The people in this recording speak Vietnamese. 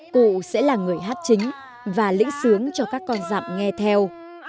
cụ sẽ là người hát chính và lĩnh sướng cho các con dặm nghe theo